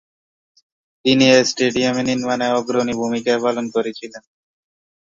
তিনি এ স্টেডিয়াম নির্মাণে অগ্রণী ভূমিকা পালন করেছিলেন।